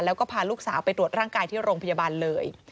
แล้วก็พาลูกสาวไปตรวจร่างกายที่โรงพยาบาลเลย